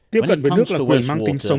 tiếp cận với nước là quyền mang tinh sống